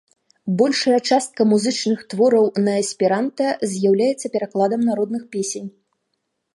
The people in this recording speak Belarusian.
Большая частка музычных твораў на эсперанта з'яўляюцца перакладам народных песень.